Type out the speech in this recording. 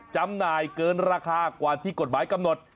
จำหน่ายเกินราคากว่าที่กฎหมายกำหนด